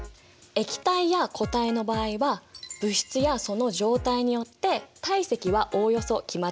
液体や固体の場合は物質やその状態によって体積はおおよそ決まっているんだ。